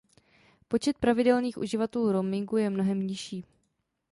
Počet pravidelných uživatelů roamingu je mnohem nižší.